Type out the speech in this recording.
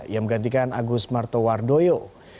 yang menggantikan agus martowardoyo